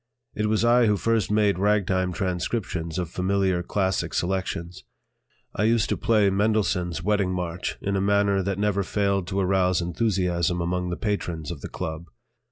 It was I who first made ragtime transcriptions of familiar classic selections. I used to play Mendelssohn's "Wedding March" in a manner that never failed to arouse enthusiasm among the patrons of the "Club."